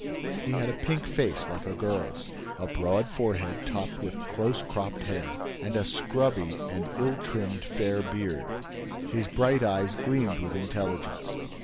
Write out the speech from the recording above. He had a pink face like a girl's, a broad forehead topped with close cropped hair, and a scrubby and ill trimmed fair beard. His bright eyes gleamed with intelligence.